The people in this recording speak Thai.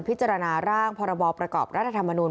พิจารณาร่างพรบประกอบรัฐธรรมนูล